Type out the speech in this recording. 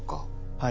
はい。